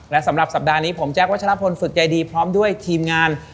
และสำหรับสัปดาห์นี้ผมแจ๊ควัชลพลฝึกใจดีพร้อมด้วยทีมงาน